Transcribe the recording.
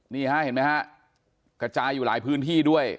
นี่ฮะเห็นไหมฮะกระจายอยู่หลายพื้นที่ด้วย